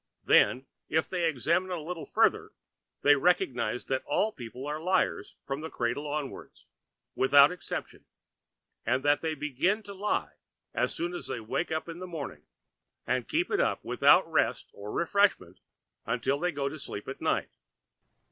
Then, if they examined a little further they recognised that all people are liars from the cradle onwards, without exception, and that they begin to lie as soon as they wake in the morning, and keep it up without rest or refreshment until they go to sleep at night.